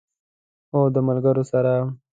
هو، د ملګرو سره